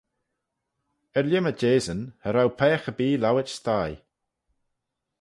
Er-lhimmey jehsyn, cha row peiagh erbee lowit sthie.